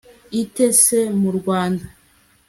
ite se mu rwanda